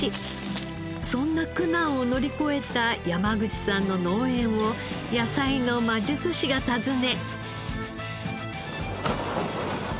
そんな苦難を乗り越えた山口さんの農園を野菜の魔術師が訪ね。